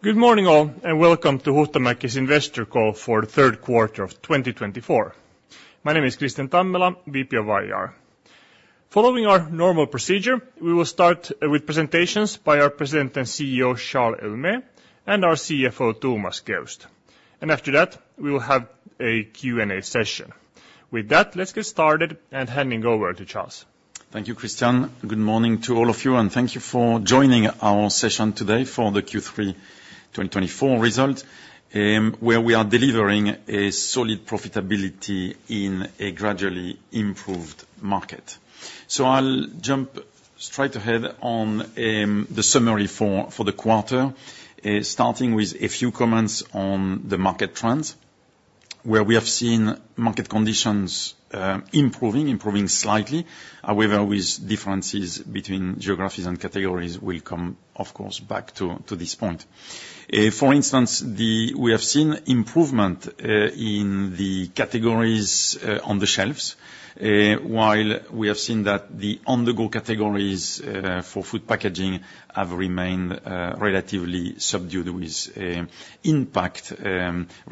Good morning, all, and welcome to Huhtamaki's Investor Call for the third quarter of 2024. My name is Kristian Tammela, VP of IR. Following our normal procedure, we will start with presentations by our President and CEO, Charles Héaulme, and our CFO, Thomas Geust. And after that, we will have a Q&A session. With that, let's get started, and handing over to Charles. Thank you, Kristian. Good morning to all of you and thank you for joining our session today for the Q3 2024 result, where we are delivering a solid profitability in a gradually improved market. So, I'll jump straight ahead on the summary for the quarter, starting with a few comments on the market trends, where we have seen market conditions improving slightly. However, with differences between geographies and categories, we come, of course, back to this point. For instance, we have seen improvement in the categories on the shelves, while we have seen that the on-the-go categories for food packaging have remained relatively subdued, with impact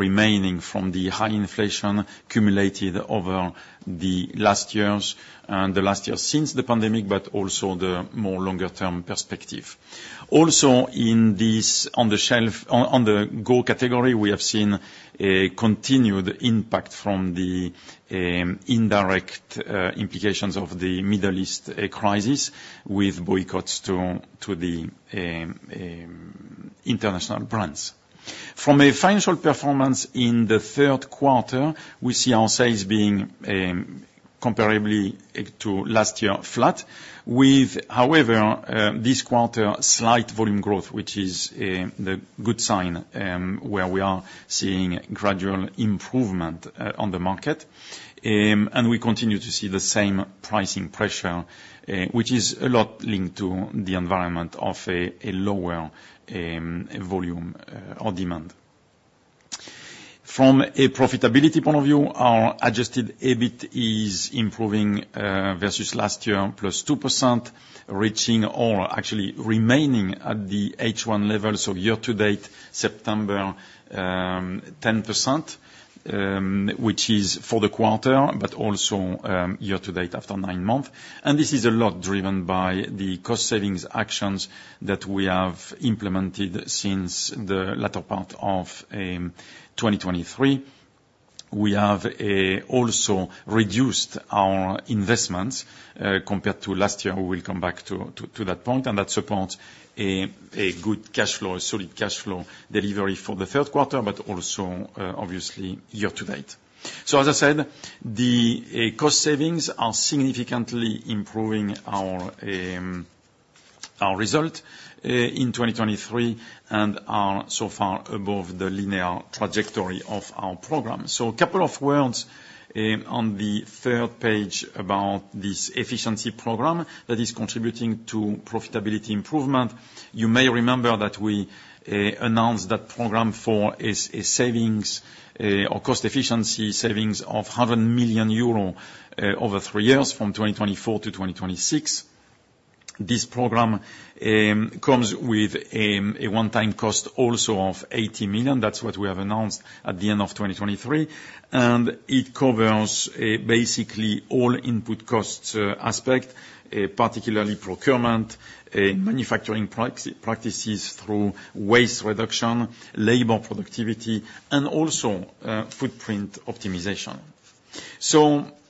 remaining from the high inflation accumulated over the last years, and the last year since the pandemic, but also the more longer-term perspective. Also, in this on-the-go category, we have seen a continued impact from the indirect implications of the Middle East crisis, with boycotts to the international brands. From a financial performance in the third quarter, we see our sales being comparably to last year, flat with, however, this quarter, slight volume growth, which is the good sign, where we are seeing gradual improvement on the market. And we continue to see the same pricing pressure, which is a lot linked to the environment of a lower volume or demand. From a profitability point of view, our adjusted EBIT is improving versus last year, plus 2%, reaching or actually remaining at the H1 level, so year-to-date September 10%, which is for the quarter, but also year-to-date after nine months, and this is a lot driven by the cost savings actions that we have implemented since the latter part of 2023. We have also reduced our investments compared to last year. We will come back to that point, and that supports a good cashflow, a solid cashflow delivery for the third quarter, but also obviously year-to-date, so as I said, the cost savings are significantly improving our result in 2023 and are so far above the linear trajectory of our program. A couple of words on the third page about this efficiency program that is contributing to profitability improvement. You may remember that we announced that program for a savings or cost efficiency savings of 100 million euro over three years, from 2024 to 2026. This program comes with a one-time cost also of 80 million. That's what we have announced at the end of 2023, and it covers basically all input cost aspects, particularly procurement, manufacturing practices through waste reduction, labor productivity, and also footprint optimization.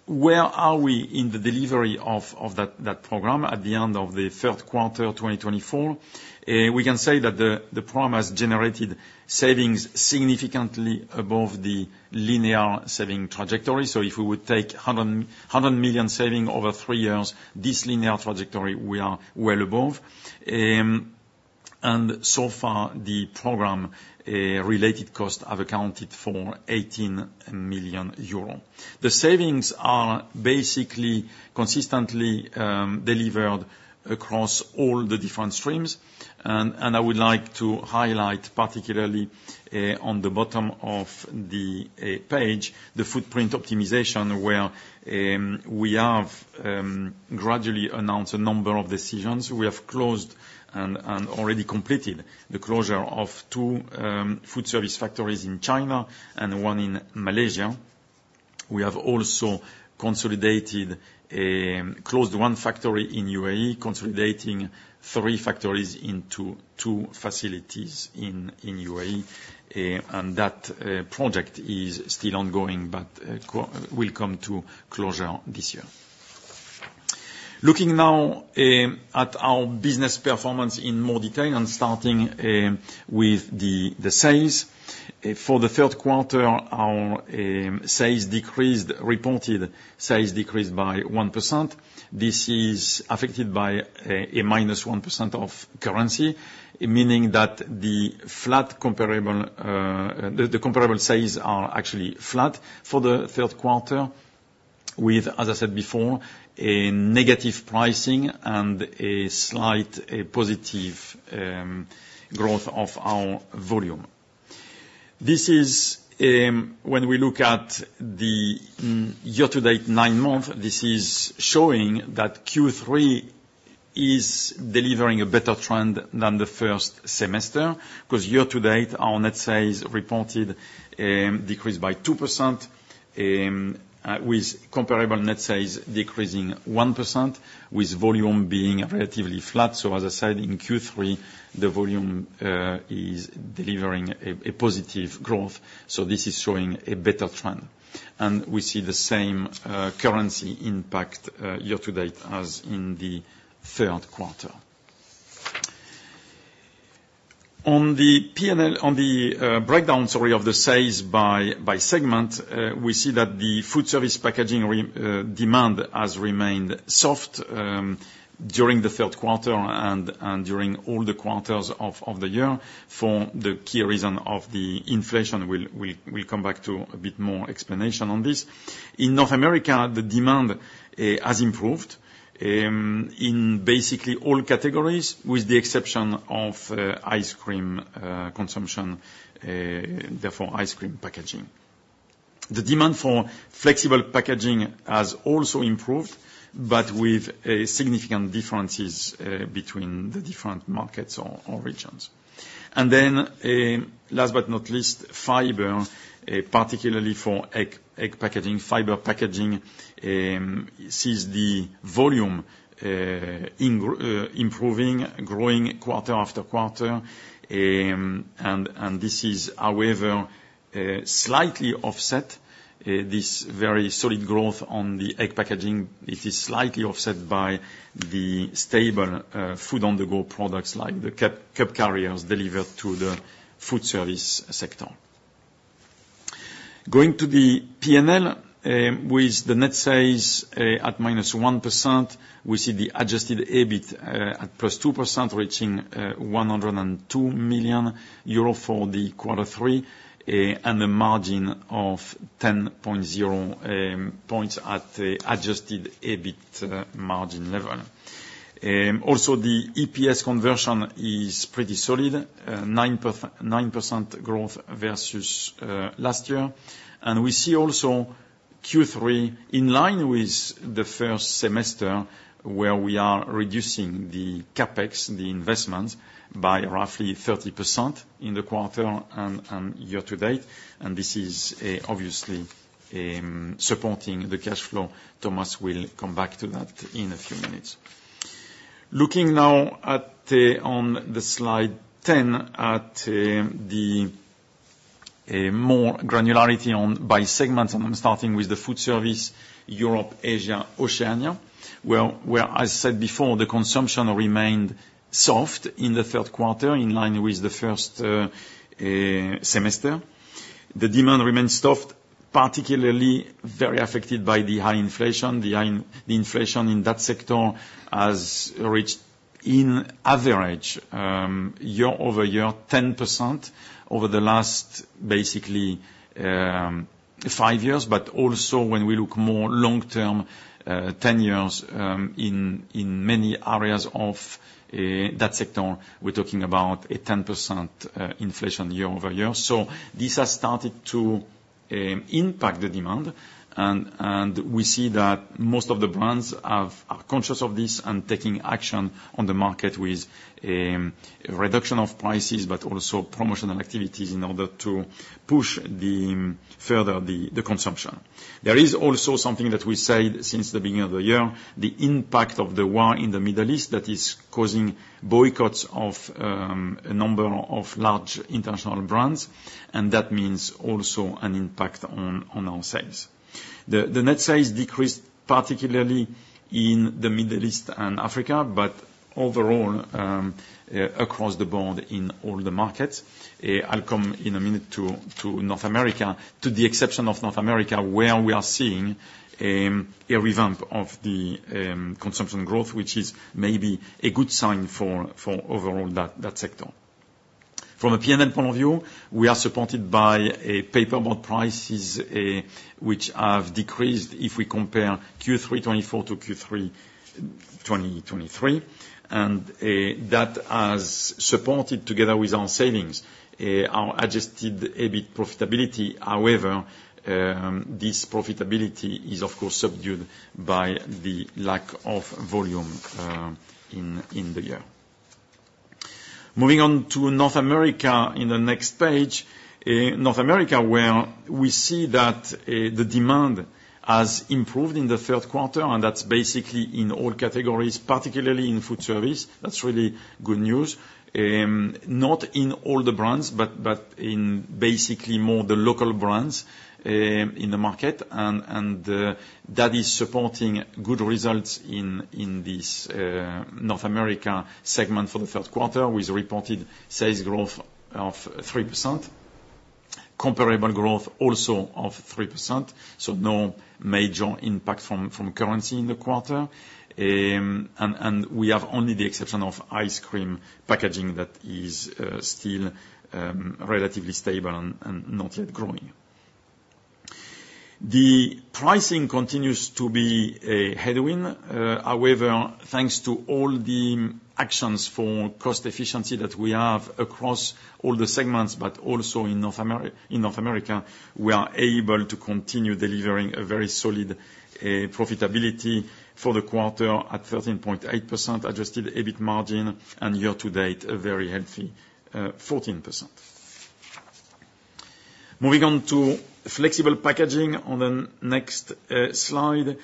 Where are we in the delivery of that program at the end of the third quarter of 2024? We can say that the program has generated savings significantly above the linear saving trajectory. So, if we would take 100 million savings over three years, this linear trajectory, we are well above. And so far, the program related costs have accounted for 18 million euros. The savings are basically consistently delivered across all the different streams. And I would like to highlight, particularly, on the bottom of the page, the footprint optimization, where we have gradually announced a number of decisions. We have closed and already completed the closure of two Foodservice factories in China and one in Malaysia. We have also consolidated, closed one factory in UAE, consolidating three factories into two facilities in UAE, and that project is still ongoing, but it will come to closure this year. Looking now at our business performance in more detail and starting with the sales. For the third quarter, our sales decreased, reported sales decreased by 1%. This is affected by a minus 1% of currency, meaning that the flat comparable, the comparable sales are actually flat for the third quarter, with, as I said before, a negative pricing and a slight positive growth of our volume. This is, when we look at the year-to-date nine month, this is showing that Q3 is delivering a better trend than the first semester, 'cause year to date, our net sales reported decreased by 2%, with comparable net sales decreasing 1%, with volume being relatively flat. So as I said, in Q3, the volume is delivering a positive growth, so this is showing a better trend. And we see the same currency impact year to date as in the third quarter. On the P&L, on the breakdown, sorry, of the sales by segment, we see that the Foodservice packaging demand has remained soft during the third quarter and during all the quarters of the year for the key reason of the inflation. We'll come back to a bit more explanation on this. In North America, the demand has improved in basically all categories, with the exception of ice cream consumption, therefore, ice cream packaging. The demand for flexible packaging has also improved, but with significant differences between the different markets or regions. And then, last but not least, fiber, particularly for egg packaging. Fiber packaging sees the volume improving, growing quarter after quarter. And this is, however, slightly offset. This very solid growth on the egg packaging, it is slightly offset by the stable food-on-the-go products like the cup carriers delivered to the Foodservice sector. Going to the P&L, with the net sales at -1%, we see the adjusted EBIT at +2%, reaching 102 million euro for quarter three, and a margin of 10.0 points at the adjusted EBIT margin level. Also, the EPS conversion is pretty solid, 9% growth versus last year. And we see also Q3 in line with the first semester, where we are reducing the CapEx, the investment, by roughly 30% in the quarter and year to date, and this is obviously supporting the cash flow. Thomas will come back to that in a few minutes. Looking now at on the slide 10, at a more granularity on by segment, and I'm starting with the Foodservice, Europe, Asia, Oceania, where I said before, the consumption remained soft in the third quarter, in line with the first semester. The demand remains soft, particularly very affected by the high inflation. The high inflation in that sector has reached, on average, year-over-year, 10% over the last, basically, five years. But also, when we look more long-term, 10 years, in many areas of that sector, we're talking about a 10% inflation year over year. So this has started to impact the demand, and we see that most of the brands are conscious of this and taking action on the market with a reduction of prices, but also promotional activities in order to push further the consumption. There is also something that we said since the beginning of the year, the impact of the war in the Middle East that is causing boycotts of a number of large international brands, and that means also an impact on our sales. The net sales decreased, particularly in the Middle East and Africa, but overall, across the board in all the markets. I'll come in a minute to North America, to the exception of North America, where we are seeing a revamp of the consumption growth, which is maybe a good sign for overall that sector. From a P&L point of view, we are supported by paperboard prices, which have decreased if we compare Q3 2024 to Q3 2023, and that has supported, together with our savings, our adjusted EBIT profitability. However, this profitability is, of course, subdued by the lack of volume in the year. Moving on to North America, in the next page, North America, where we see that the demand has improved in the third quarter, and that's basically in all categories, particularly in Foodservice. That's really good news. Not in all the brands, but in basically more the local brands in the market. That is supporting good results in this North America segment for the third quarter, with reported sales growth of 3%. Comparable growth, also of 3%, so no major impact from currency in the quarter. We have only the exception of ice cream packaging that is still relatively stable and not yet growing. The pricing continues to be a headwind. However, thanks to all the actions for cost efficiency that we have across all the segments, but also in North America, we are able to continue delivering a very solid profitability for the quarter at 13.8% Adjusted EBIT margin, and year-to-date, a very healthy 14%. Moving on to flexible packaging on the next slide.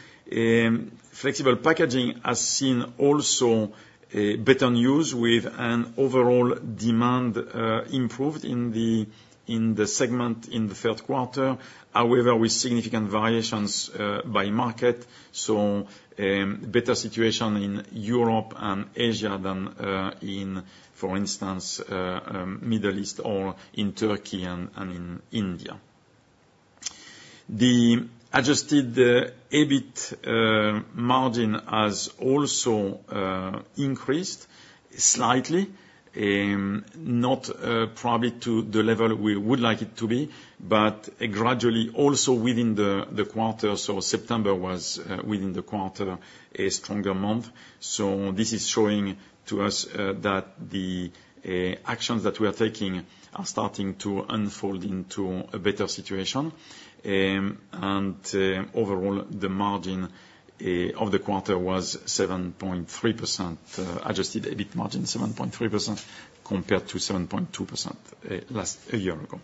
Flexible packaging has seen also a better news with an overall demand improved in the segment in the third quarter. However, with significant variations by market, so better situation in Europe and Asia than in, for instance, Middle East or in Turkey and in India. The Adjusted EBIT margin has also increased slightly, not probably to the level we would like it to be, but gradually also within the quarter, so September was within the quarter, a stronger month. This is showing to us that the actions that we are taking are starting to unfold into a better situation. And overall, the margin of the quarter was 7.3%, Adjusted EBIT margin, 7.3% compared to 7.2%, last a year ago.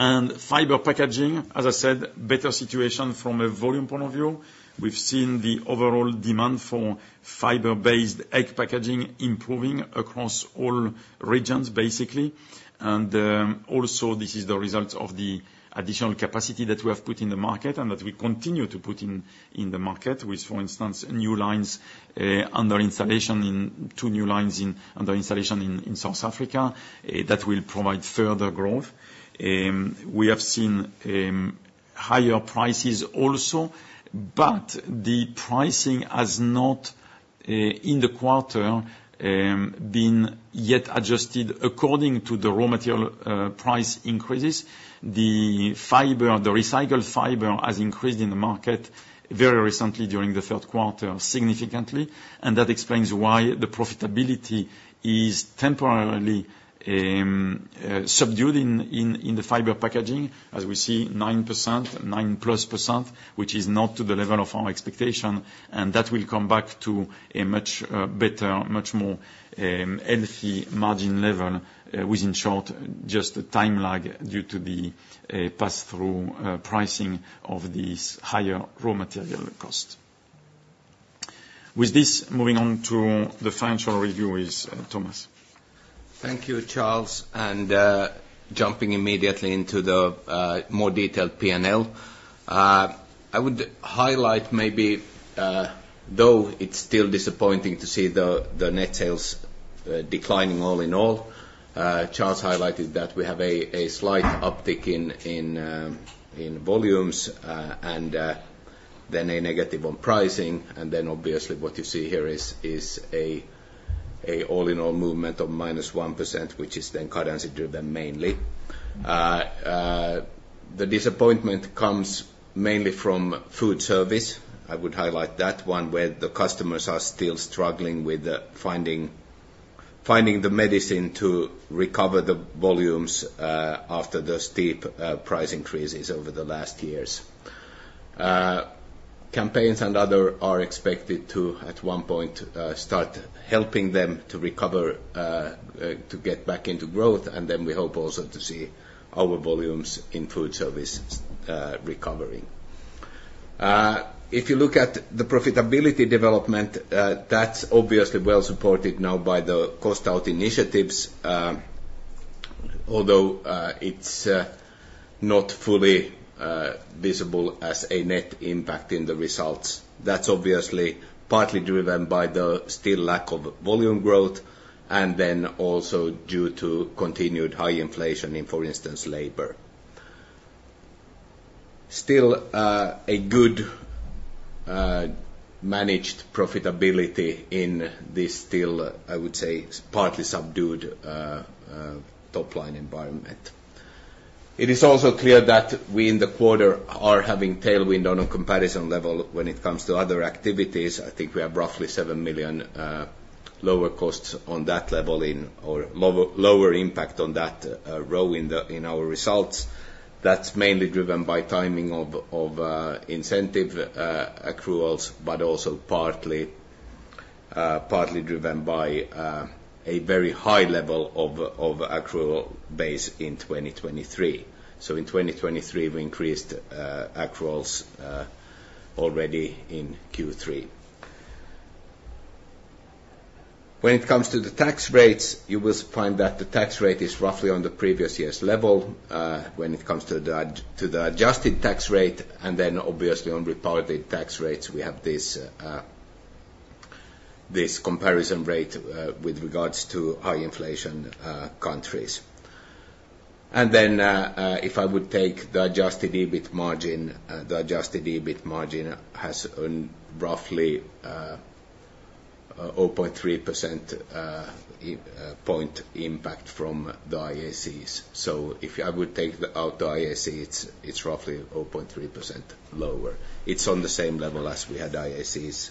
And fiber packaging, as I said, better situation from a volume point of view. We've seen the overall demand for fiber-based egg packaging improving across all regions, basically. And also, this is the result of the additional capacity that we have put in the market and that we continue to put in, in the market, with, for instance, two new lines under installation in South Africa, that will provide further growth. We have seen higher prices also, but the pricing has not, in the quarter, been yet adjusted according to the raw material price increases. The fiber, the recycled fiber, has increased in the market very recently, during the third quarter, significantly, and that explains why the profitability is temporarily subdued in the fiber packaging, as we see 9%, 9-plus%, which is not to the level of our expectation, and that will come back to a much better, much more healthy margin level, within short, just a time lag due to the pass-through pricing of these higher raw material costs. With this, moving on to the financial review with Thomas. Thank you, Charles, and jumping immediately into the more detailed P&L. I would highlight maybe, though it's still disappointing to see the net sales declining all in all. Charles highlighted that we have a slight uptick in volumes, and then a negative on pricing. And then, obviously, what you see here is an all-in-all movement of minus 1%, which is then currency driven mainly. The disappointment comes mainly from Foodservice. I would highlight that one, where the customers are still struggling with finding the momentum to recover the volumes after the steep price increases over the last years. Campaigns and other are expected to, at one point, start helping them to recover, to get back into growth, and then we hope also to see our volumes in Foodservice recovering. If you look at the profitability development, that's obviously well supported now by the cost out initiatives, although it's not fully visible as a net impact in the results. That's obviously partly driven by the still lack of volume growth and then also due to continued high inflation in, for instance, labor. Still, a good managed profitability in this still, I would say, partly subdued top-line environment. It is also clear that we, in the quarter, are having tailwind on a comparison level when it comes to other activities. I think we have roughly 7 million lower costs on that level, or lower impact on that row in our results. That's mainly driven by timing of incentive accruals, but also partly driven by a very high level of accrual base in 2023. So in 2023, we increased accruals already in Q3. When it comes to the tax rates, you will find that the tax rate is roughly on the previous year's level when it comes to the adjusted tax rate, and then obviously, on reported tax rates, we have this comparison rate with regards to high inflation countries. And then, if I would take the adjusted EBIT margin, the adjusted EBIT margin has roughly... 0.3%, 1 point impact from the IACs. So if I would take out the IAC, it's roughly 0.3% lower. It's on the same level as we had IAC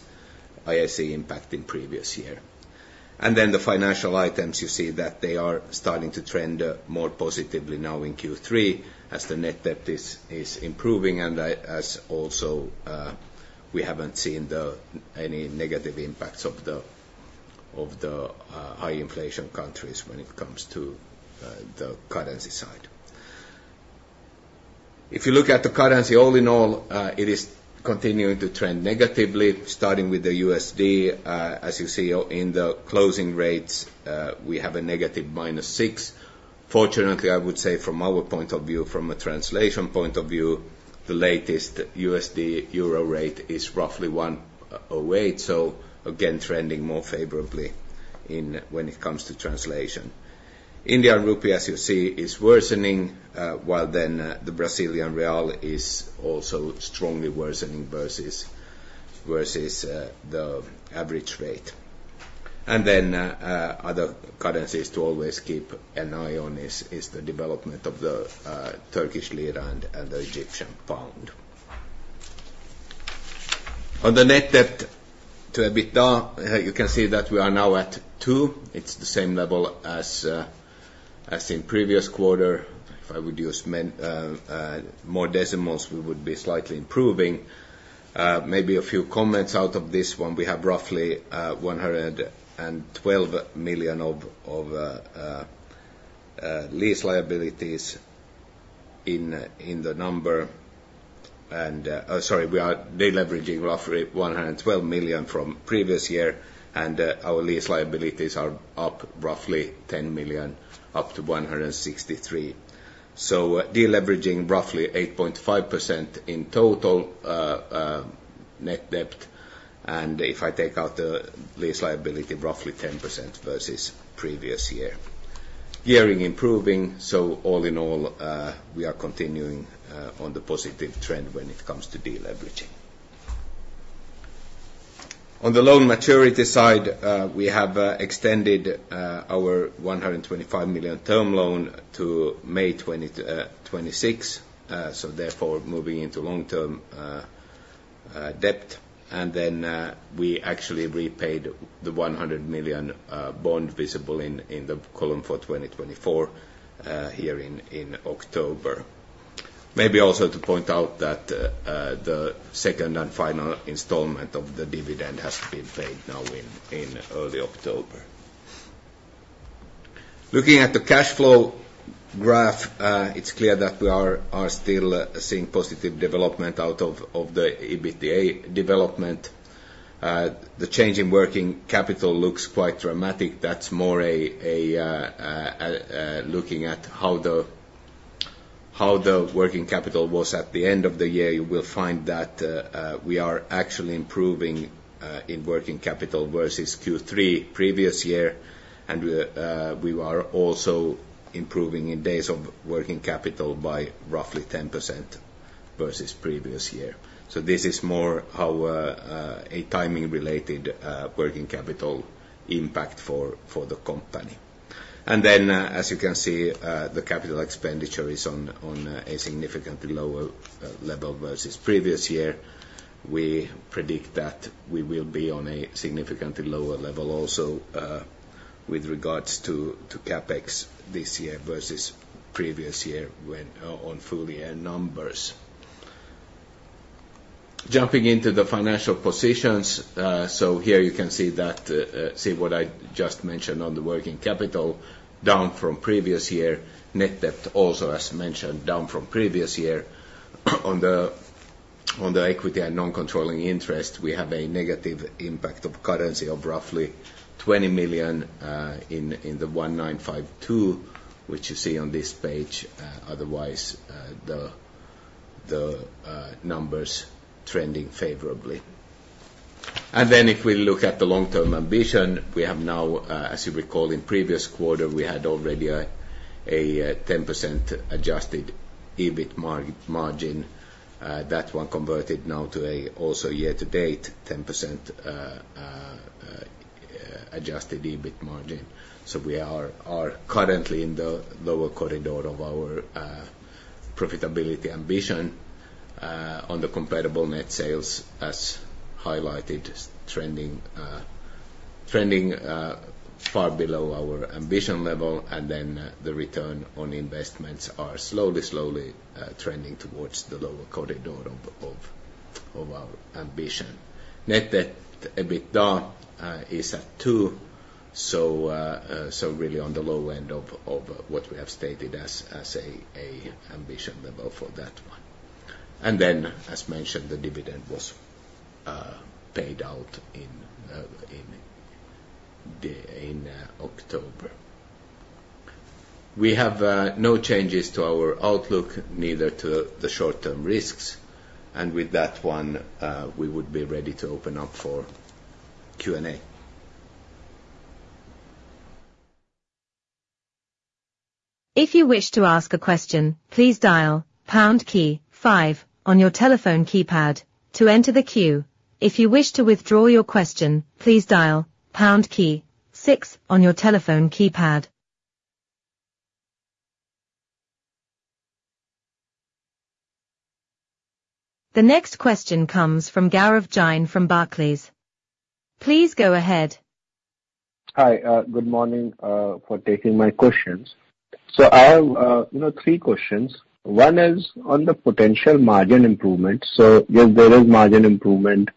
impact in previous year. And then the financial items, you see that they are starting to trend more positively now in Q3 as the net debt is improving, and also we haven't seen any negative impacts of the high inflation countries when it comes to the currency side. If you look at the currency, all in all, it is continuing to trend negatively, starting with the USD. As you see in the closing rates, we have a negative minus six. Fortunately, I would say from our point of view, from a translation point of view, the latest USD-EUR rate is roughly 1.08, so again, trending more favorably in when it comes to translation. Indian rupee, as you see, is worsening, while then the Brazilian real is also strongly worsening versus the average rate. And then, other currencies to always keep an eye on is the development of the Turkish lira and the Egyptian pound. On the net debt to EBITDA, you can see that we are now at 2. It's the same level as in previous quarter. If I would use more decimals, we would be slightly improving. Maybe a few comments out of this one: we have roughly 112 million of lease liabilities in the number. Sorry, we are deleveraging roughly 112 million from previous year, and our lease liabilities are up roughly 10 million, up to 163 million. So, deleveraging roughly 8.5% in total, net debt, and if I take out the lease liability, roughly 10% versus previous year. Gearing improving, so all in all, we are continuing on the positive trend when it comes to deleveraging. On the loan maturity side, we have extended our 125 million term loan to May 2026, so therefore, moving into long-term debt. And then, we actually repaid the 100 million bond visible in the column for 2024 here in October. Maybe also to point out that the second and final installment of the dividend has been paid now in early October. Looking at the cash flow graph, it's clear that we are still seeing positive development out of the EBITDA development. The change in working capital looks quite dramatic. That's more a looking at how the working capital was at the end of the year. You will find that we are actually improving in working capital versus Q3 previous year, and we are also improving in days of working capital by roughly 10% versus previous year. So this is more our, a timing-related, working capital impact for, for the company. And then, as you can see, the capital expenditure is on, on a significantly lower, level versus previous year. We predict that we will be on a significantly lower level also, with regards to, to CapEx this year versus previous year when on full year numbers. Jumping into the financial positions, so here you can see that, see what I just mentioned on the working capital, down from previous year. Net debt also, as mentioned, down from previous year. On the, on the equity and non-controlling interest, we have a negative impact of currency of roughly 20 million, in, in the one nine five two, which you see on this page, otherwise, the, the, numbers trending favorably. And then if we look at the long-term ambition, we have now, as you recall, in previous quarter, we had already a 10% adjusted EBIT margin. That one converted now to also year-to-date 10% adjusted EBIT margin. We are currently in the lower corridor of our profitability ambition on the comparable net sales, as highlighted, trending far below our ambition level, and then the return on investments are slowly trending towards the lower corridor of our ambition. Net debt to EBITDA is at 2, so really on the low end of what we have stated as an ambition level for that one. And then, as mentioned, the dividend was paid out in October. We have no changes to our outlook, neither to the short-term risks, and with that one, we would be ready to open up for Q&A. If you wish to ask a question, please dial pound key five on your telephone keypad to enter the queue. If you wish to withdraw your question, please dial pound key six on your telephone keypad. The next question comes from Gaurav Jain from Barclays. Please go ahead. Hi, good morning, for taking my questions. So I have, you know, three questions. One is on the potential margin improvement. So there is margin improvement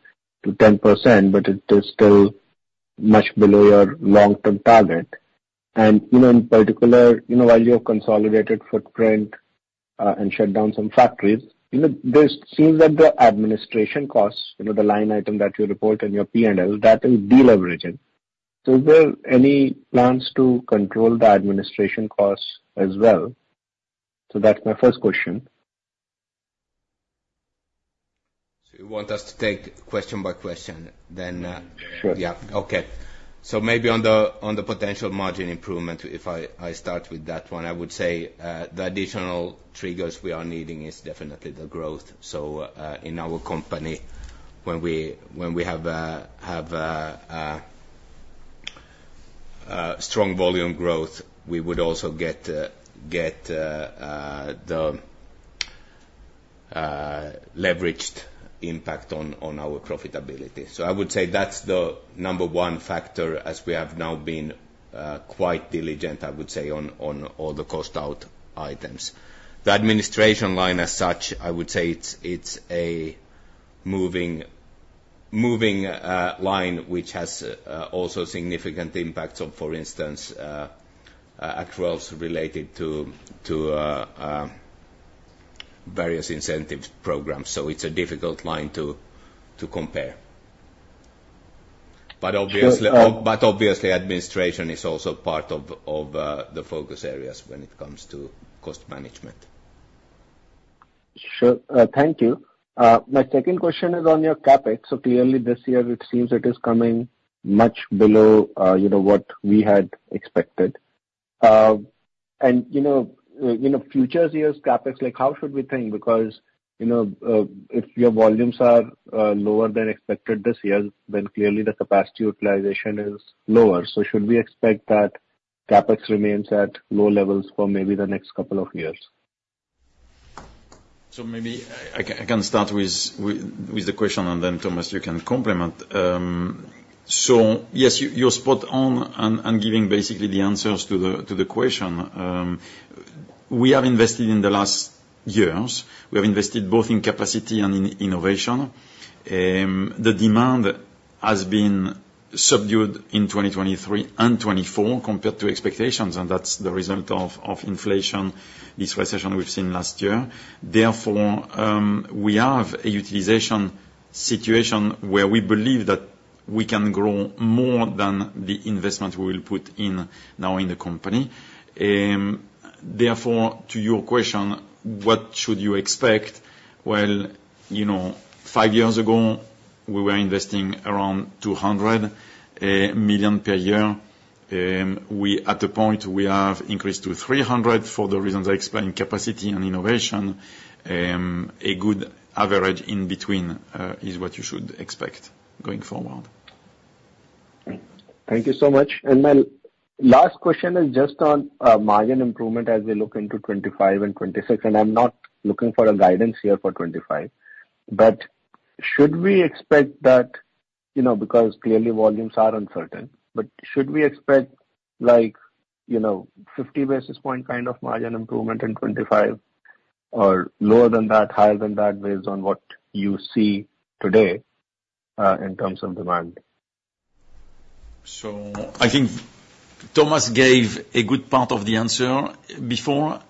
to 10%, but it is still much below your long-term target. And, you know, in particular, you know, while you have consolidated footprint, and shut down some factories, you know, this seems that the administration costs, you know, the line item that you report in your P&L, that is deleveraging. So is there any plans to control the administration costs as well? So that's my first question. So you want us to take question by question then? Sure. Yeah. Okay. So maybe on the potential margin improvement, if I start with that one, I would say the additional triggers we are needing is definitely the growth. So in our company, when we have strong volume growth, we would also get the leveraged impact on our profitability. So I would say that's the number one factor, as we have now been quite diligent, I would say, on all the cost out items. The administration line as such, I would say it's a moving line, which has also significant impacts on, for instance, actuals related to various incentives programs. So it's a difficult line to compare. Sure, um- But obviously, administration is also part of the focus areas when it comes to cost management. Sure. Thank you. My second question is on your CapEx. So clearly this year it seems it is coming much below, you know, what we had expected. And, you know, in the future years, CapEx, like, how should we think? Because, you know, if your volumes are lower than expected this year, then clearly the capacity utilization is lower. So should we expect that CapEx remains at low levels for maybe the next couple of years? Maybe I can start with the question and then, Thomas, you can complement. So yes, you're spot on and giving basically the answers to the question. We have invested in the last years. We have invested both in capacity and in innovation. The demand has been subdued in 2023 and 2024 compared to expectations, and that's the result of inflation, this recession we've seen last year. Therefore, we have a utilization situation where we believe that we can grow more than the investment we will put in now in the company. Therefore, to your question, what should you expect? Well, you know, five years ago, we were investing around 200 million per year. We're at the point we have increased to 300 million for the reasons I explained, capacity and innovation. A good average in between is what you should expect going forward. Thank you so much. And my last question is just on margin improvement as we look into 2025 and 2026, and I'm not looking for a guidance here for 2025. But should we expect that, you know, because clearly volumes are uncertain, but should we expect like, you know, 50 basis point kind of margin improvement in 2025, or lower than that, higher than that, based on what you see today in terms of demand? So I think Thomas gave a good part of the answer before.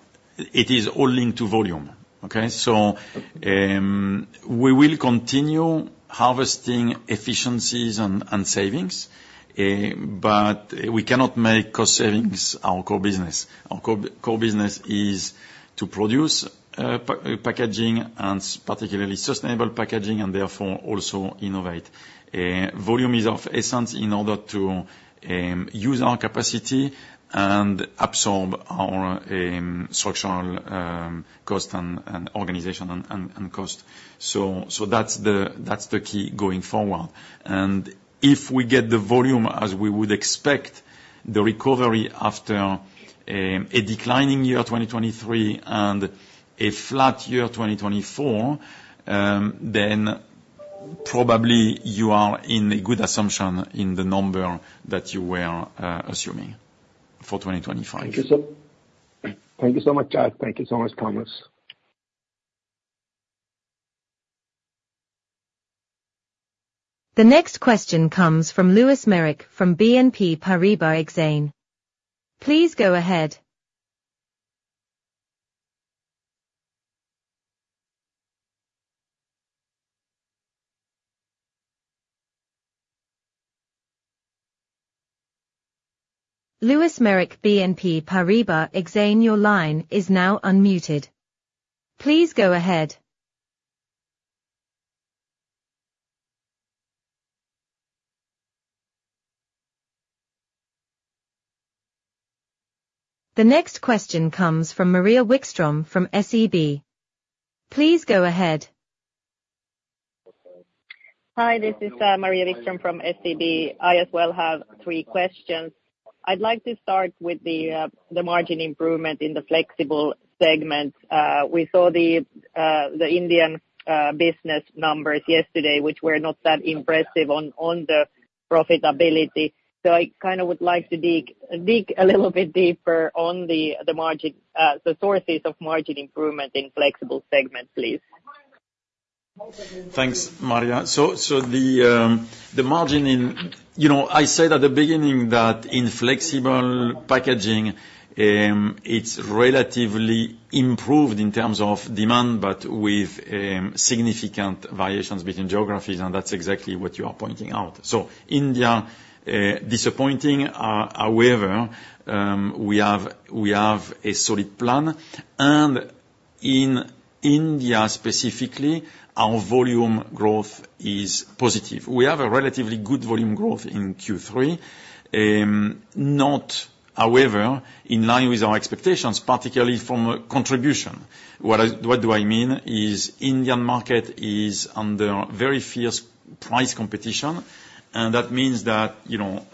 It is all linked to volume. Okay? So we will continue harvesting efficiencies and savings, but we cannot make cost savings our core business. Our core business is to produce packaging and particularly sustainable packaging, and therefore also innovate. Volume is of essence in order to use our capacity and absorb our structural cost and organization and cost. So that's the key going forward. And if we get the volume as we would expect, the recovery after a declining year, 2023 and a flat year, 2024, then probably you are in a good assumption in the number that you were assuming for 2025. Thank you, sir. Thank you so much, Charles. Thank you so much, Thomas. The next question comes from Lewis Merrick from BNP Paribas Exane. Please go ahead. Lewis Merrick, BNP Paribas Exane, your line is now unmuted. Please go ahead. The next question comes from Maria Wikström from SEB. Please go ahead. Hi, this is Maria Wikström from SEB. I as well have three questions. I'd like to start with the margin improvement in the flexible segment. We saw the Indian business numbers yesterday, which were not that impressive on the profitability. So I kind of would like to dig a little bit deeper on the sources of margin improvement in flexible segment, please. Thanks, Maria. So, the margin in... You know, I said at the beginning that in flexible packaging, it's relatively improved in terms of demand, but with significant variations between geographies, and that's exactly what you are pointing out, so India, disappointing. However, we have a solid plan, and in India, specifically, our volume growth is positive. We have a relatively good volume growth in Q3, not, however, in line with our expectations, particularly from a contribution. What do I mean is Indian market is under very fierce price competition, and that means that, you know,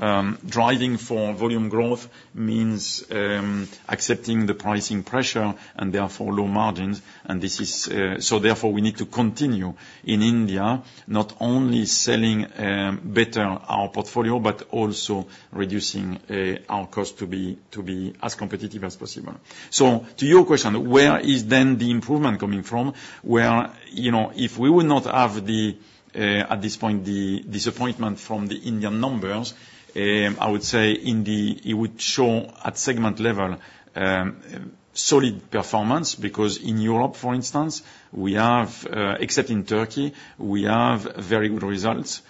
driving for volume growth means accepting the pricing pressure and therefore low margins, and this is... So therefore, we need to continue in India, not only selling better our portfolio, but also reducing our cost to be as competitive as possible. To your question, where is then the improvement coming from? Well, you know, if we would not have the, at this point, the disappointment from the Indian numbers, I would say it would show at segment level solid performance, because in Europe, for instance, we have, except in Turkey, we have very good results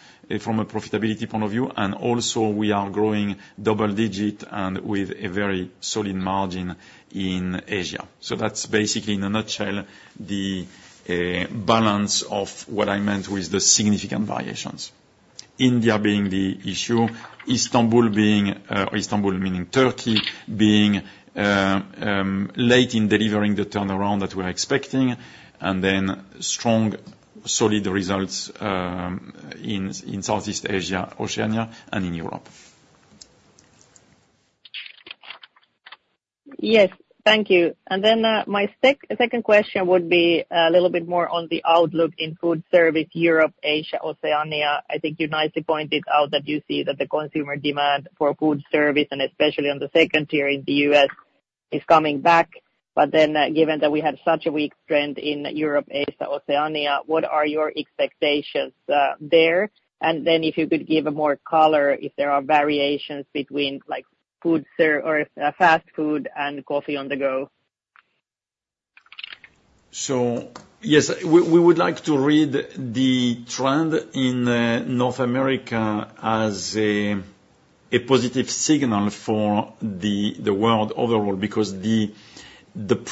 from a profitability point of view, and also we are growing double digit and with a very solid margin in Asia. That's basically, in a nutshell, the balance of what I meant with the significant variations. India being the issue, Istanbul being, Istanbul, meaning Turkey, being late in delivering the turnaround that we're expecting, and then strong, solid results, in Southeast Asia, Oceania, and in Europe. Yes. Thank you. And then, my second question would be a little bit more on the outlook in Foodservice, Europe, Asia, Oceania. I think you nicely pointed out that you see that the consumer demand for Foodservice, and especially on the second tier in the US, is coming back. But then, given that we had such a weak trend in Europe, Asia, Oceania, what are your expectations, there? And then if you could give more color, if there are variations between, like, Foodservice or fast food and coffee on the go. Yes, we would like to read the trend in North America as a positive signal for the world overall, because the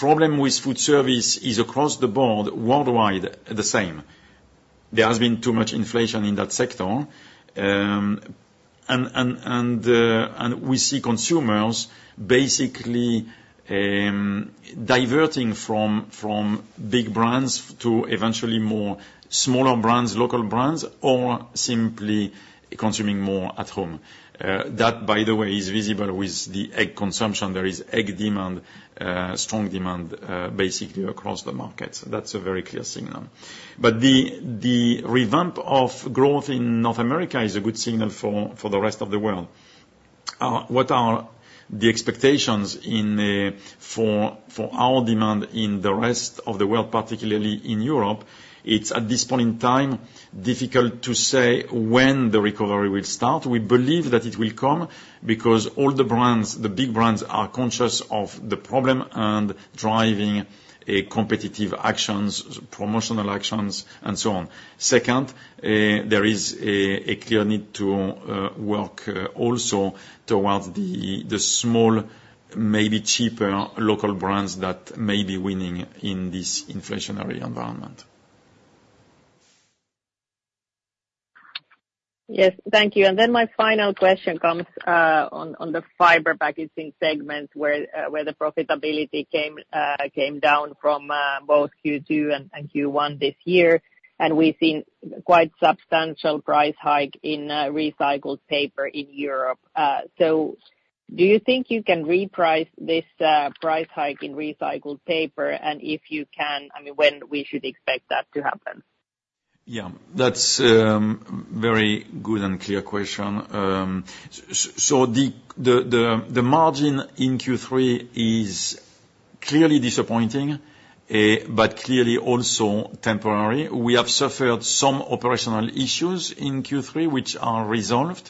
problem with Foodservice is across the board, worldwide, the same. There has been too much inflation in that sector, and we see consumers basically diverting from big brands to eventually more smaller brands, local brands, or simply consuming more at home. That, by the way, is visible with the egg consumption. There is egg demand, strong demand, basically across the markets. That's a very clear signal. The revamp of growth in North America is a good signal for the rest of the world. What are the expectations for our demand in the rest of the world, particularly in Europe? It's, at this point in time, difficult to say when the recovery will start. We believe that it will come, because all the brands, the big brands, are conscious of the problem and driving a competitive actions, promotional actions, and so on. Second, there is a clear need to work also towards the small, maybe cheaper local brands that may be winning in this inflationary environment. Yes. Thank you. And then my final question comes on the fiber packaging segment, where the profitability came down from both Q2 and Q1 this year, and we've seen quite substantial price hike in recycled paper in Europe. So do you think you can reprice this price hike in recycled paper? And if you can, I mean, when we should expect that to happen? Yeah, that's very good and clear question. So the margin in Q3 is clearly disappointing, but clearly also temporary. We have suffered some operational issues in Q3, which are resolved.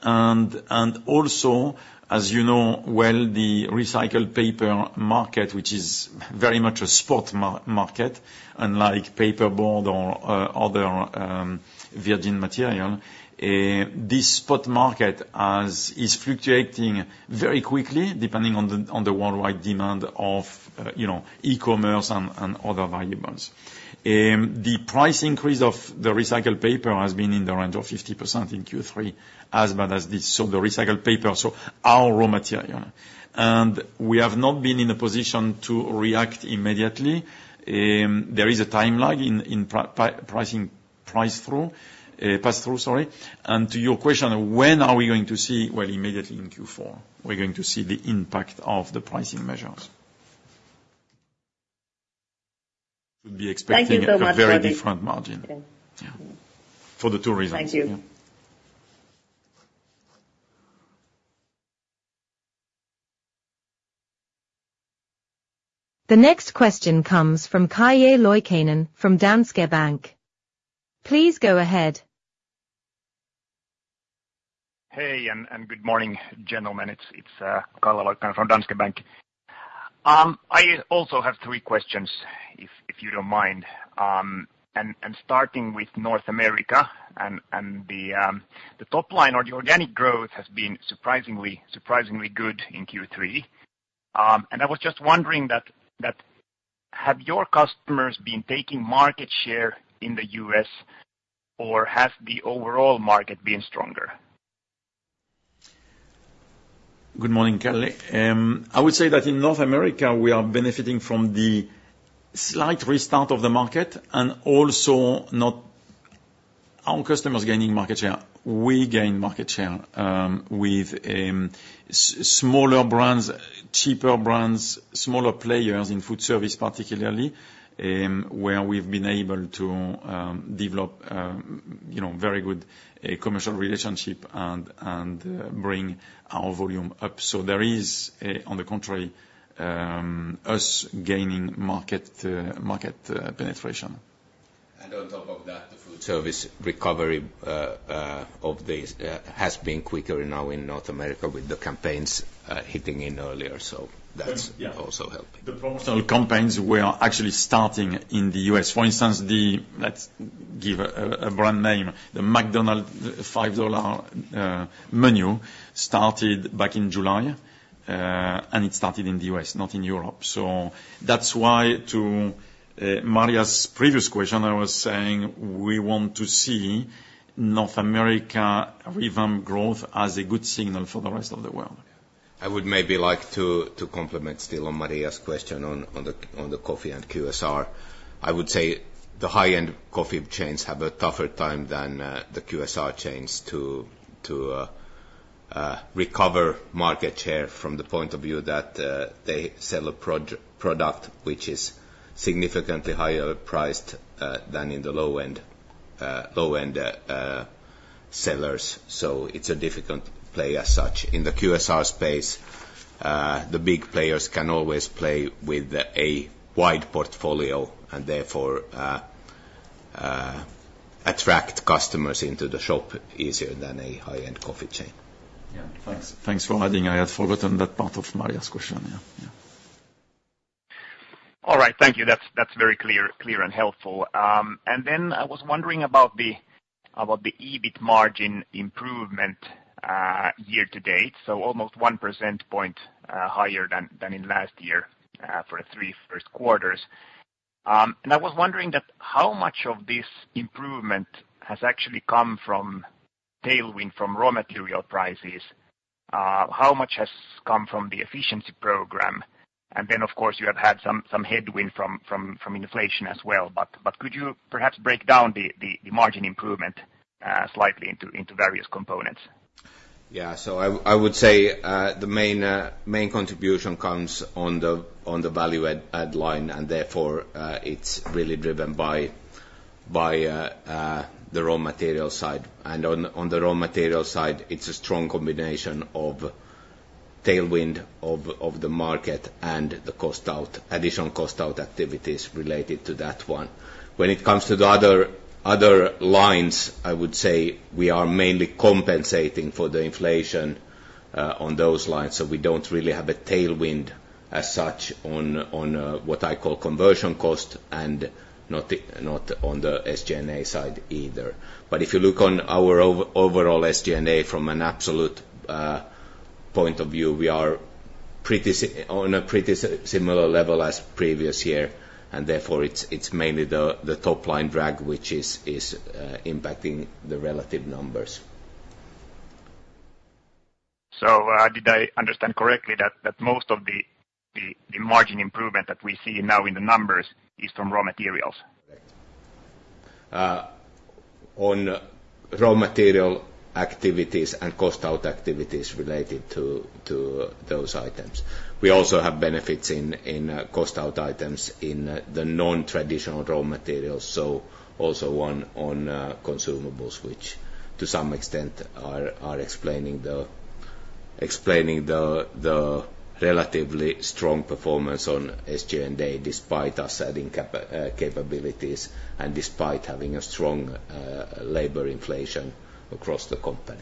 And also, as you know well, the recycled paper market, which is very much a spot market, unlike paperboard or other virgin material, this spot market is fluctuating very quickly, depending on the worldwide demand of you know, e-commerce and other variables. The price increase of the recycled paper has been in the range of 50% in Q3, as bad as this, so the recycled paper, so our raw material. And we have not been in a position to react immediately. There is a time lag in pricing pass through, sorry. To your question, when are we going to see? Immediately in Q4, we're going to see the impact of the pricing measures. Should be expecting- Thank you so much. A very different margin. Yeah. For the two reasons. Thank you. The next question comes from Calle Loikkanen from Danske Bank. Please go ahead. Hey, good morning, gentlemen. It's Calle Loikkanen from Danske Bank. I also have three questions, if you don't mind. Starting with North America and the top line or the organic growth has been surprisingly good in Q3. I was just wondering, have your customers been taking market share in the U.S., or has the overall market been stronger? Good morning, Calle. I would say that in North America, we are benefiting from the slight restart of the market and also not our customers gaining market share. We gain market share with smaller brands, cheaper brands, smaller players in Foodservice, particularly where we've been able to develop you know very good commercial relationship and bring our volume up. So there is a... On the contrary, us gaining market penetration. And on top of that, the Foodservice recovery of this has been quicker now in North America with the campaigns hitting in earlier. So that's- Yes - also helping. The promotional campaigns, we are actually starting in the U.S. For instance, let's give a brand name, the McDonald's $5 menu, started back in July, and it started in the U.S., not in Europe. So that's why, to Maria's previous question, I was saying we want to see North America revamp growth as a good signal for the rest of the world. I would maybe like to complement still on Maria's question on the coffee and QSR. I would say the high-end coffee chains have a tougher time than the QSR chains to recover market share from the point of view that they sell a product which is significantly higher priced than in the low end sellers. So it's a difficult play as such. In the QSR space, the big players can always play with a wide portfolio and therefore attract customers into the shop easier than a high-end coffee chain. Yeah. Thanks for adding. I had forgotten that part of Maria's question. Yeah. Yeah. All right. Thank you. That's very clear and helpful. And then I was wondering about the EBIT margin improvement year to date. So almost 1 percentage point higher than in last year for the three first quarters. And I was wondering that how much of this improvement has actually come from tailwind from raw material prices? How much has come from the efficiency program? And then, of course, you have had some headwind from inflation as well, but could you perhaps break down the margin improvement slightly into various components? Yeah. So I would say the main contribution comes on the value add line, and therefore it's really driven by the raw material side. And on the raw material side, it's a strong combination of tailwind of the market and the cost out, additional cost out activities related to that one. When it comes to the other lines, I would say we are mainly compensating for the inflation on those lines. So we don't really have a tailwind as such on what I call conversion cost, and not on the SG&A side either. But if you look on our overall SG&A from an absolute point of view, we are pretty on a pretty similar level as previous year, and therefore, it's mainly the top line drag, which is impacting the relative numbers. Did I understand correctly that most of the margin improvement that we see now in the numbers is from raw materials? On raw material activities and cost out activities related to those items. We also have benefits in cost out items in the non-traditional raw materials, so also one on consumables, which to some extent are explaining the relatively strong performance on SG&A, despite us adding capabilities and despite having a strong labor inflation across the company.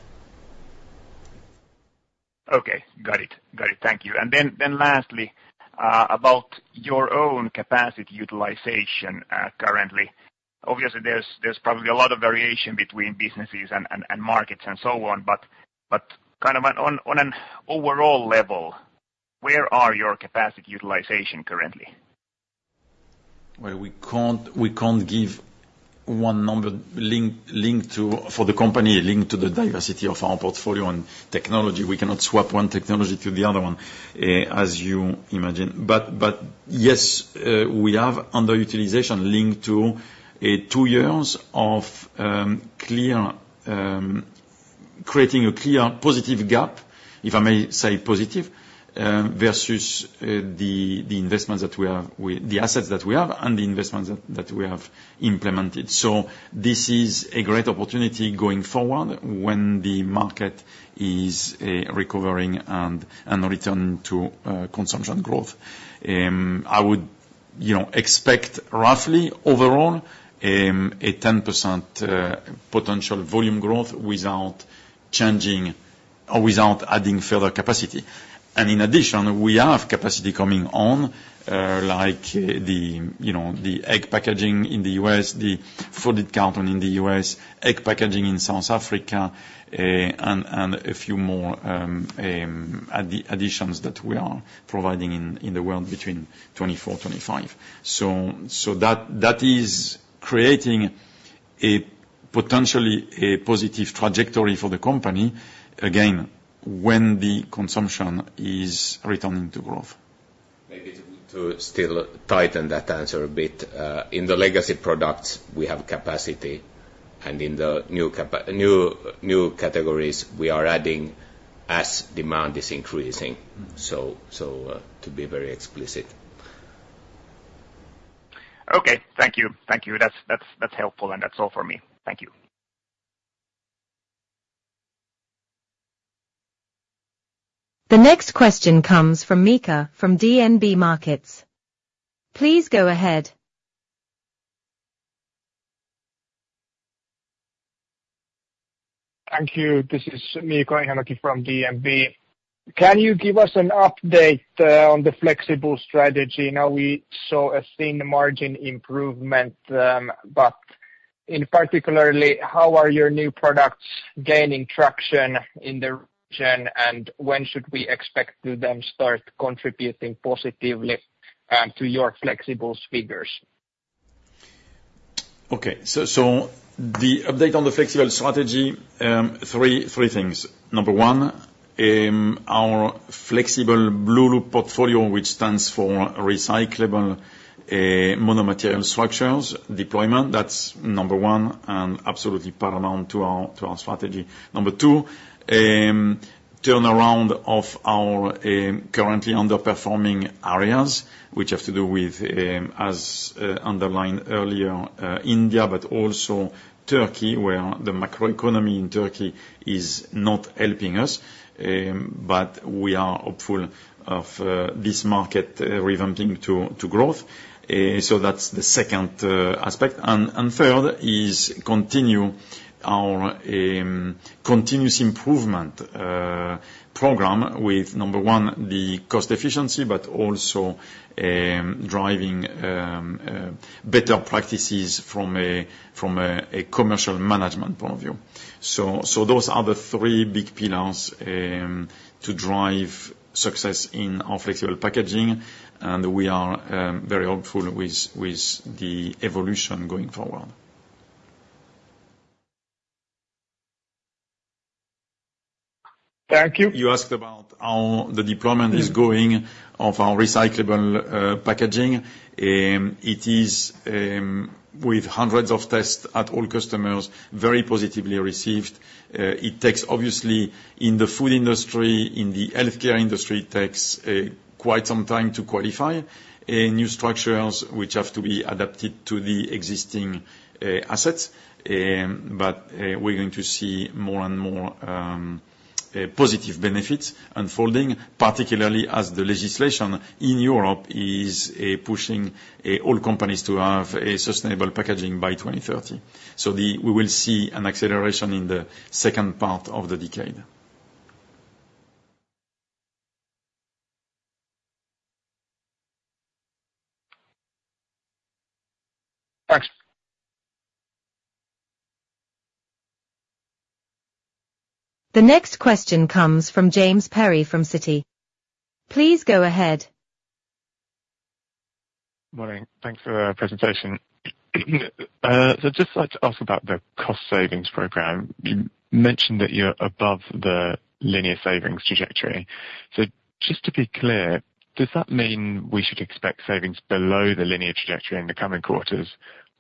Okay, got it. Got it. Thank you. And then lastly, about your own capacity utilization currently. Obviously, there's probably a lot of variation between businesses and markets and so on, but kind of on an overall level, where are your capacity utilization currently? We can't give one number linked to the diversity of our portfolio and technology. We cannot swap one technology to the other one, as you imagine. But yes, we have underutilization linked to two years of clear creating a clear positive gap, if I may say positive, versus the investments that we have with the assets that we have and the investments that we have implemented. So this is a great opportunity going forward when the market is recovering and return to consumption growth. I would, you know, expect roughly overall a 10% potential volume growth without changing or without adding further capacity. In addition, we have capacity coming on, like, you know, the egg packaging in the U.S., the folded carton in the U.S., egg packaging in South Africa, and a few more additions that we are providing in the world between 2024 and 2025. That is creating potentially a positive trajectory for the company, again, when the consumption is returning to growth. Maybe to still tighten that answer a bit, in the legacy products, we have capacity, and in the new categories, we are adding as demand is increasing. So, to be very explicit. Okay, thank you. That's helpful, and that's all for me. Thank you. The next question comes from Miika, from DNB Markets. Please go ahead. Thank you. This is Miika Heinonen from DNB. Can you give us an update on the flexible strategy? Now, we saw a thin margin improvement, but in particular, how are your new products gaining traction in the region, and when should we expect them to start contributing positively to your flexible's figures? Okay. So the update on the flexible strategy, three things. Number one, our flexible Blue Loop portfolio, which stands for recyclable mono-material structures deployment, that's number one and absolutely paramount to our strategy. Number two, turnaround of our currently underperforming areas, which have to do with, as underlined earlier, India, but also Turkey, where the macroeconomy in Turkey is not helping us, but we are hopeful of this market revamping to growth. So that's the second aspect, and third is continue our continuous improvement program with, number one, the cost efficiency, but also driving better practices from a commercial management point of view. Those are the three big pillars to drive success in our flexible packaging, and we are very hopeful with the evolution going forward. Thank you. You asked about how the deployment is going of our recyclable packaging. It is, with hundreds of tests at all customers, very positively received. It takes, obviously, in the food industry, in the healthcare industry, it takes quite some time to qualify new structures which have to be adapted to the existing assets. But we're going to see more and more positive benefits unfolding, particularly as the legislation in Europe is pushing all companies to have a sustainable packaging by 2030. So we will see an acceleration in the second part of the decade. Thanks. The next question comes from James Perry, from Citi. Please go ahead. Morning. Thanks for the presentation. So just like to ask about the cost savings program. You mentioned that you're above the linear savings trajectory. So just to be clear, does that mean we should expect savings below the linear trajectory in the coming quarters,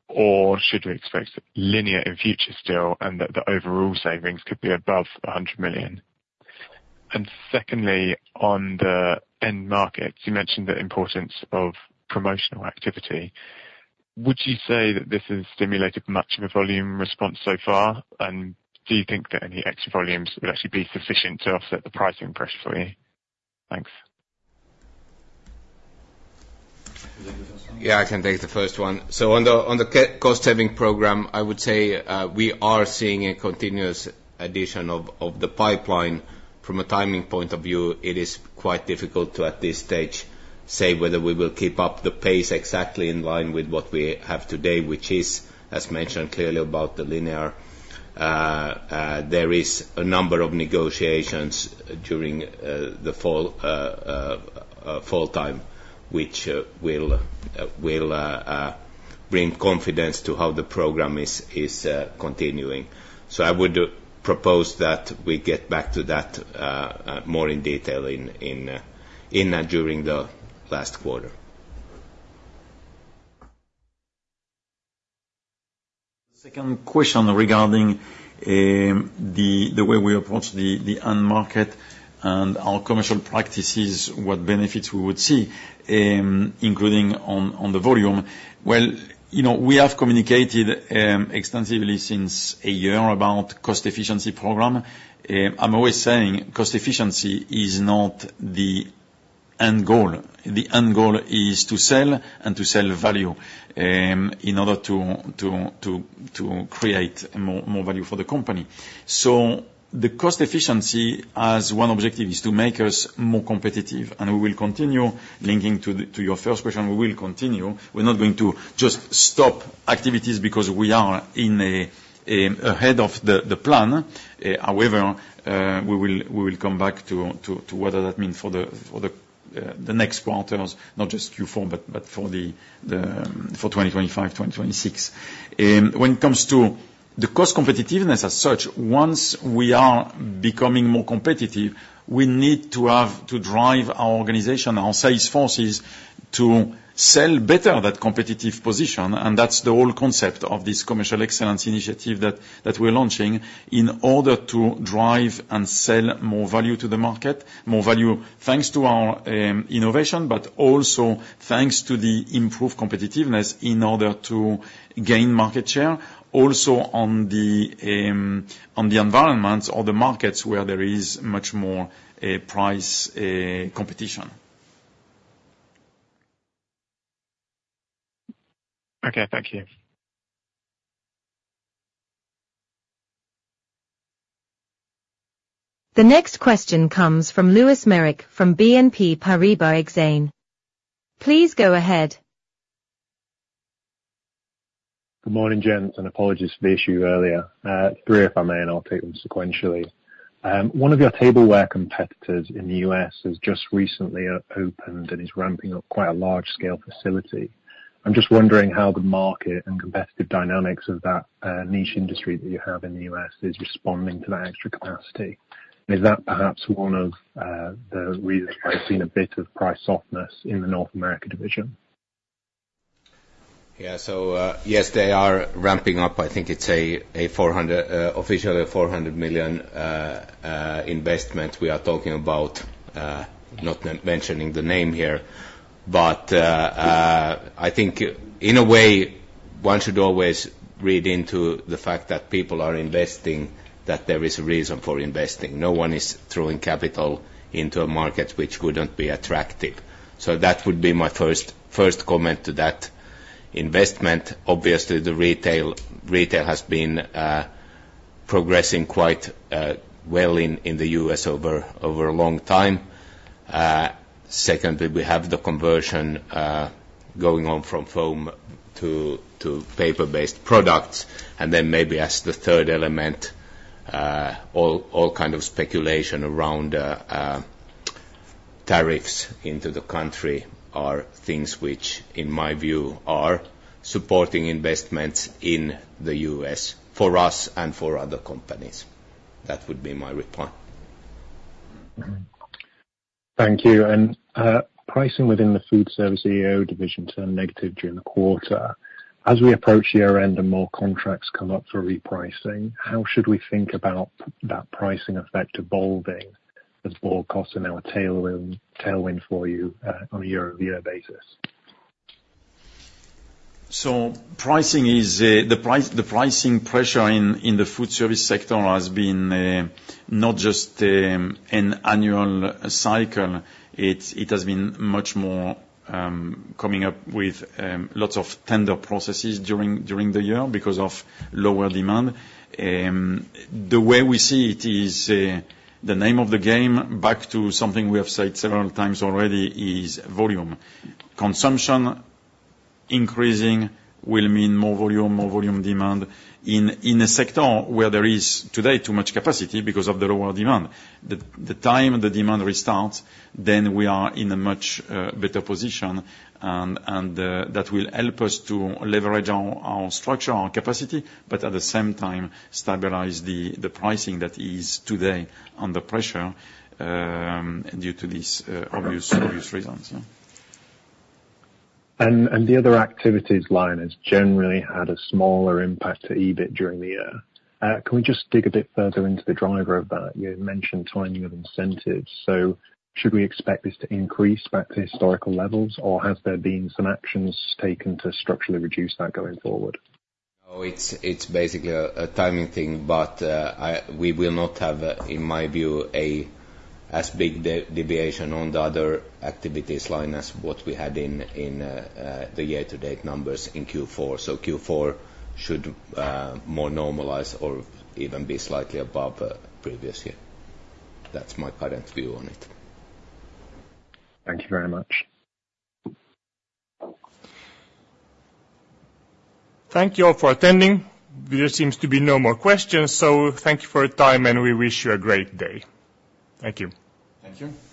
or should we expect linear in future still, and that the overall savings could be above a hundred million? And secondly, on the end markets, you mentioned the importance of promotional activity. Would you say that this has stimulated much of a volume response so far, and do you think that any extra volumes will actually be sufficient to offset the pricing pressure for you? Thanks. Yeah, I can take the first one. So on the cost-saving program, I would say we are seeing a continuous addition of the pipeline. From a timing point of view, it is quite difficult to, at this stage, say whether we will keep up the pace exactly in line with what we have today, which is, as mentioned, clearly about the linear. There is a number of negotiations during the fall time, which will bring confidence to how the program is continuing. So I would propose that we get back to that more in detail during the last quarter.... Second question regarding the way we approach the end market and our commercial practices, what benefits we would see, including on the volume. Well, you know, we have communicated extensively since a year about cost efficiency program. I'm always saying cost efficiency is not the end goal. The end goal is to sell and to sell value in order to create more value for the company. So the cost efficiency as one objective is to make us more competitive, and we will continue linking to your first question, we will continue. We're not going to just stop activities because we are ahead of the plan. However, we will come back to what does that mean for the next quarters, not just Q4, but for 2025, 2026. When it comes to the cost competitiveness as such, once we are becoming more competitive, we need to have to drive our organization, our sales forces, to sell better that competitive position, and that's the whole concept of this commercial excellence initiative that we're launching, in order to drive and sell more value to the market. More value thanks to our innovation, but also thanks to the improved competitiveness in order to gain market share, also on the environments or the markets where there is much more a price competition. Okay, thank you. The next question comes from Lewis Merrick from BNP Paribas Exane. Please go ahead. Good morning, gents, and apologies for the issue earlier. Three, if I may, and I'll take them sequentially. One of your tableware competitors in the U.S. has just recently opened and is ramping up quite a large-scale facility. I'm just wondering how the market and competitive dynamics of that niche industry that you have in the U.S. is responding to that extra capacity. And is that perhaps one of the reasons we have seen a bit of price softness in the North America division? Yeah. So, yes, they are ramping up. I think it's officially a $400 million investment we are talking about, not mentioning the name here. But, I think in a way, one should always read into the fact that people are investing, that there is a reason for investing. No one is throwing capital into a market which wouldn't be attractive. So that would be my first comment to that investment. Obviously, the retail has been progressing quite well in the U.S. over a long time. Secondly, we have the conversion going on from foam to paper-based products. And then maybe as the third element, all kind of speculation around the tariffs into the country are things which, in my view, are supporting investments in the U.S. for us and for other companies. That would be my reply. Thank you. And, pricing within the Foodservice EAO division turned negative during the quarter. As we approach the year-end and more contracts come up for repricing, how should we think about that pricing effect evolving as more costs are now a tailwind for you, on a year-over-year basis? Pricing is the pricing pressure in the Foodservice sector has been not just an annual cycle. It's it has been much more coming up with lots of tender processes during the year because of lower demand. The way we see it is the name of the game, back to something we have said several times already, is volume. Consumption increasing will mean more volume, more volume demand in a sector where there is today too much capacity because of the lower demand. The time the demand restarts, then we are in a much better position, and that will help us to leverage our structure, our capacity, but at the same time, stabilize the pricing that is today under pressure due to these obvious reasons, yeah. The other activities line has generally had a smaller impact to EBIT during the year. Can we just dig a bit further into the driver of that? You mentioned timing of incentives, so should we expect this to increase back to historical levels, or has there been some actions taken to structurally reduce that going forward? No, it's basically a timing thing, but we will not have, in my view, as big a deviation on the other activities line as what we had in the year-to-date numbers in Q4. So Q4 should more normalize or even be slightly above the previous year. That's my current view on it. Thank you very much. Thank you all for attending. There seems to be no more questions, so thank you for your time, and we wish you a great day. Thank you. Thank you.